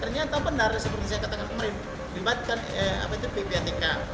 ternyata benar seperti saya katakan kemarin libatkan ppatk